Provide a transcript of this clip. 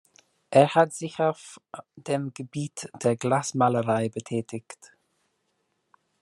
Er hat sich auch auf dem Gebiet der Glasmalerei betätigt.